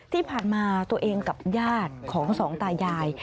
ที่ผ่านมาตัวเองกับญาติของสองตายาย